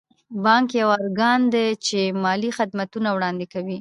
بانک یو ارګان دی چې مالي خدمتونه وړاندې کوي.